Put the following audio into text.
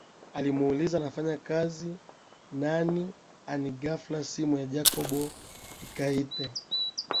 Alimuuliza anafanya kazi nan ani ghafla simu ya Jacob ikaite